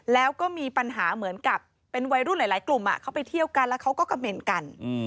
แล้วก็มีปัญหาเหมือนกับเป็นวัยรุ่นหลายกลุ่มเขาไปเที่ยวกันแล้วเขาก็กระเมนต์กัน